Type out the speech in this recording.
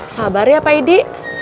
sabar ya pak idi